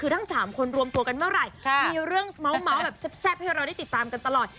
คือทั้ง๓คนรวมตัวกันเมื่อไหร่มีเรื่องเมาส์แบบแซ่บให้เราได้ติดตามกันตลอด